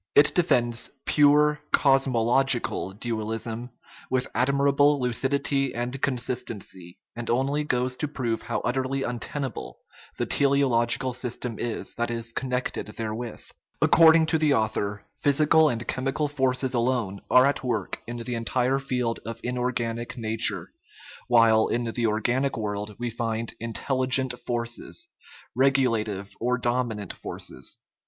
It defends pure cosmological dual ism with admirable lucidity and consistency, and only goes to prove how utterly untenable the teleological system is that is connected therewith. According to the author, physical and chemical forces alone are at work in the entire field of inorganic nature, while in * General Morphology, book 2, chap. v. 2 SS THE RIDDLE OF THE UNIVERSE the organic world we find " intelligent forces/' regula tive or dominant forces.